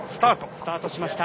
スタートしました。